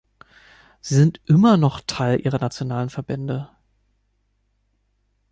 Sie sind immer noch Teil ihrer nationalen Verbände.